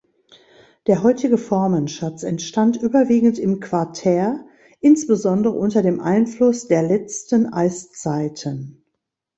Der heutige Formenschatz entstand überwiegend im Quartär insbesondere unter dem Einfluss der letzten Eiszeiten.